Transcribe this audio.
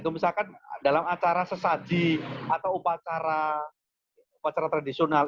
misalkan dalam acara sesaji atau upacara tradisional